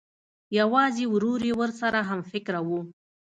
یوازې ورور یې ورسره همفکره و